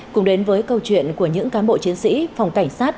cùng đến với câu chuyện của những cán bộ chiến sĩ phòng cảnh sát